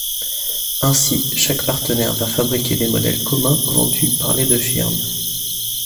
Ainsi, chaque partenaire va fabriquer des modèles communs vendus par les deux firmes.